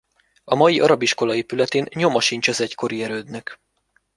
A mai arab iskola épületén nyoma sincs az egykori erődnek.